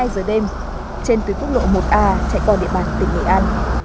một mươi hai giờ đêm trên tuyến quốc lộ một a chạy qua địa bàn tỉnh nghệ an